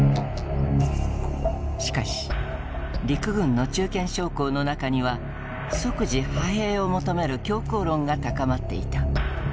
しかし陸軍の中堅将校の中には即時派兵を求める強硬論が高まっていた。